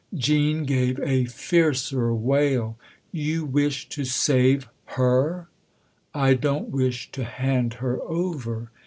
Jean gave a fiercer wail. " You wish to save her ?"" I don't wish to hand her over.